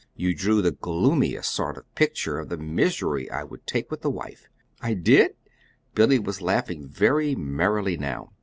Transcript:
You drew the gloomiest sort of picture of the misery I would take with a wife." "I did?" Billy was laughing very merrily now.